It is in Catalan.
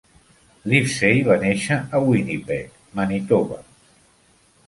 Livesay va néixer a Winnipeg, Manitoba.